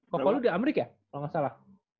kok lu di amrik ya kalau gak salah